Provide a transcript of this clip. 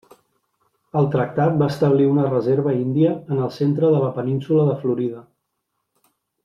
El tractat va establir una reserva índia en el centre de la península de Florida.